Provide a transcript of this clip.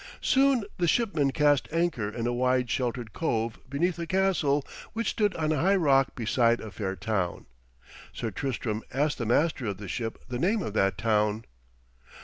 Soon the shipmen cast anchor in a wide sheltered cove beneath a castle which stood on a high rock beside a fair town. Sir Tristram asked the master of the ship the name of that town.